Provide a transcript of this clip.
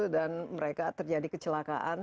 dan mereka terjadi kecelakaan